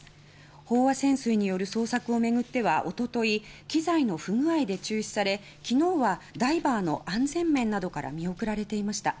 飽和潜水による捜索を巡ってはおととい機材の不具合で中止され昨日はダイバーの安全面などから見送られていました。